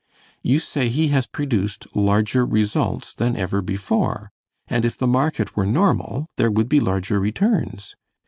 You say he has produced larger results than ever before, and if the market were normal there would be larger returns.